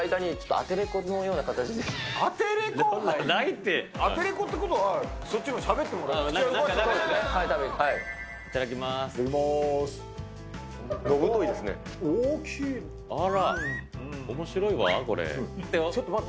アテレコってことは、そっちもしゃべってもらわないと、口動いて。